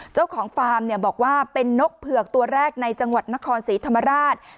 ฟาร์มบอกว่าเป็นนกเผือกตัวแรกในจังหวัดนครศรีธรรมราช